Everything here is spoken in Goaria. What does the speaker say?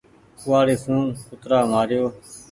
ڪوُوآڙي سون ڪترآ مآريو ۔